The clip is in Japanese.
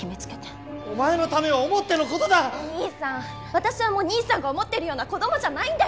私はもう兄さんが思ってるような子供じゃないんだよ！？